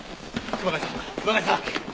熊谷さん！